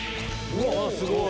うわっすごい。